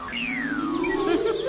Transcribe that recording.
フフフ。